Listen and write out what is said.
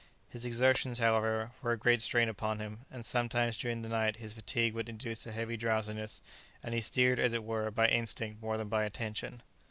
His exertions, however, were a great strain upon him, and sometimes during the night his fatigue would induce a heavy drowsiness, and he steered, as it were, by instinct more than by attention.